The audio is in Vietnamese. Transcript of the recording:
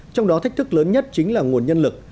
trong đó thách thức lớn nhất chính là nguồn nhân lực